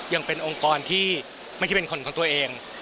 ยังเป็นองค์กรที่ไม่ใช่เป็นคนของตัวเอง